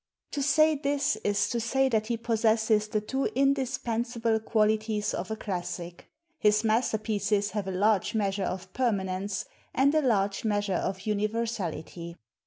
To say this is to say that he possesses the two indispensable qualities of a classic: his masterpieces have a large measure of permanence and a large mea sure of universality.